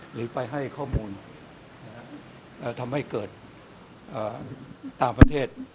หรือไปให้ข้อมูลทำให้เกิดต่างประเทศ